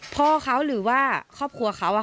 พ่อเขาหรือว่าครอบครัวเขา